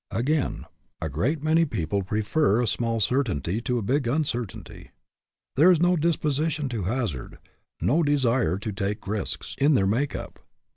Again, a great many people prefer a small 104 RESPONSIBILITY DEVELOPS certainty to a big uncertainty. There is no disposition to hazard, no desire to take risks, in their make up.